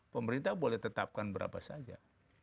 pemerintah boleh tetapkan berapa saja